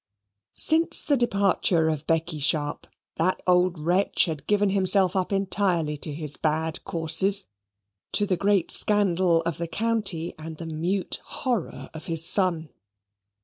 Since the departure of Becky Sharp, that old wretch had given himself up entirely to his bad courses, to the great scandal of the county and the mute horror of his son.